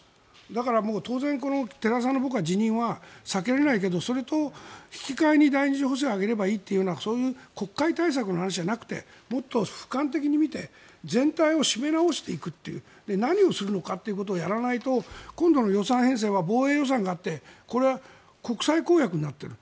だから、当然寺田さんの辞任は避けられないけれどそれと引き換えに第２次補正を上げればいいってそういう国会対策の話じゃなくてもっと俯瞰的に見て全体を締め直していくという何をするのかということをやらないと今度の予算編成は防衛予算があってこれは国際公約になっている。